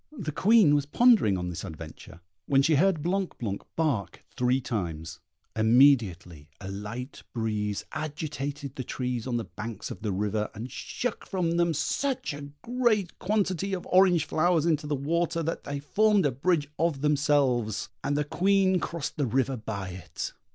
The Queen was pondering on this adventure, when she heard Blanc blanc bark three times; immediately a light breeze agitated the trees on the banks of the river, and shook from them such a great quantity of orange flowers into the water, that they formed a bridge of themselves, and the Queen crossed the river by it.